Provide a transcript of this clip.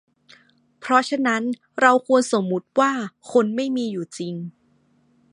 เพราะฉะนั้น เราควรสมมติว่า คนไม่มีอยู่จริง